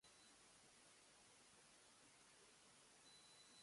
少し歩くと、僕らを囲む大きな街路樹が増えてきて、僕らが歩く道は薄暗くなる